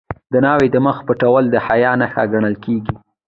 د ناوې د مخ پټول د حیا نښه ګڼل کیږي.